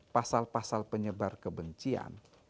pasal pasal penyebar kebencian